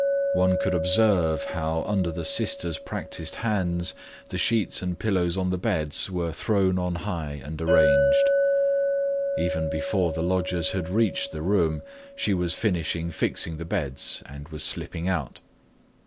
One could observe how under the sister's practiced hands the sheets and pillows on the beds were thrown on high and arranged. Even before the lodgers had reached the room, she was finished fixing the beds and was slipping out.